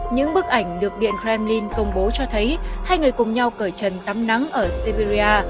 những bức ảnh được điện kremlin công bố cho thấy hai người cùng nhau cởi trần tắm nắng ở siberia